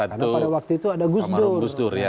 karena pada waktu itu ada gusdur